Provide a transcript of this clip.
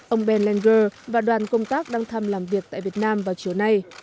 ông ben langer và đoàn công tác đang thăm làm việc tại việt nam vào chiều nay